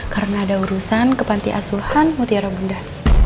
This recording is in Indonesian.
karena ada urusan ke panti asuhan mutiara bunda